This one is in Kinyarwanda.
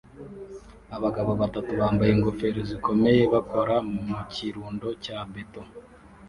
Abagabo batatu bambaye ingofero zikomeye bakora mukirundo cya beto